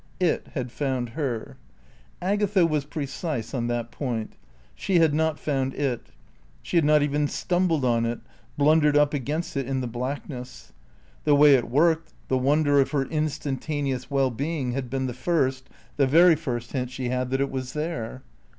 It had found her. Agatha was precise on that point. She had not found it. She had not even stumbled on it, blundered up against it in the blackness. The way it worked, the wonder of her instantaneous well being had been the first, the very first hint she had that it was there.